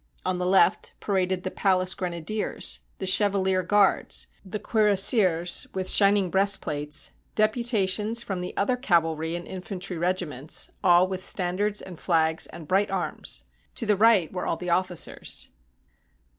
On the left paraded the Palace Grena diers, the Chevalier Guards, the Cuirassiers, with shin ing breastplates, deputations from the other cavalry and infantry regiments — all with standards and flags and bright arms. To the right were all the oflBcers.